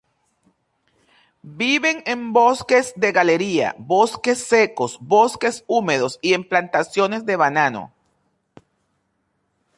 Viven en bosques de galería, bosques secos, bosques húmedos y en plantaciones de banano.